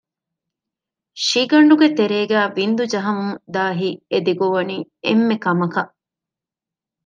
ށިގަނޑުގެ ތެރޭގައި ވިންދު ޖަހަމުން ދާ ހިތް އެދި ގޮވަނީ އެންމެ ކަމަކަށް